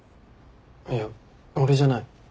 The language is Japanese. いや俺じゃない。